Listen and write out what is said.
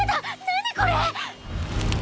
何これ！？